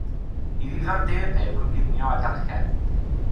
Ei ddiddordebau yw coginio a darllen.